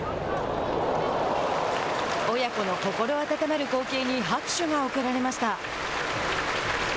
親子の心温まる光景に拍手が送られました。